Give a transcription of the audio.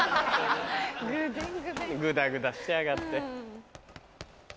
ぐだぐだしやがって。